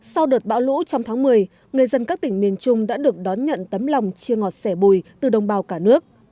sau đợt bão lũ trong tháng một mươi người dân các tỉnh miền trung đã được đón nhận tấm lòng chia ngọt sẻ bùi từ đồng bào cả nước